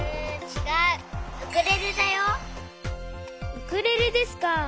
ウクレレですか。